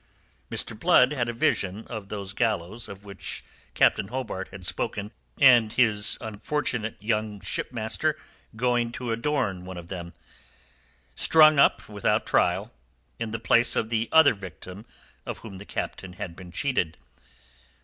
Mr. Blood had a vision of those gallows of which Captain Hobart had spoken, and of this unfortunate young shipmaster going to adorn one of them, strung up without trial, in the place of the other victim of whom the Captain had been cheated.